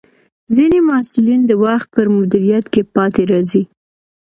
ځینې محصلین د وخت پر مدیریت کې پاتې راځي.